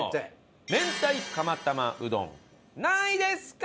明太釜玉うどん何位ですか？